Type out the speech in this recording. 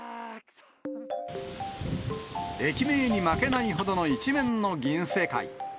駅名に負けないほどの一面の銀世界。